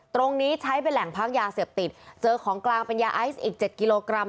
ตรงนี้ใช้เป็นแหล่งพักยาเสพติดเจอของกลางเป็นยาไอซ์อีกเจ็ดกิโลกรัม